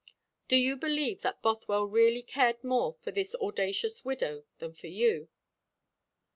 Do you believe that Bothwell really cared more for this audacious widow than for you?"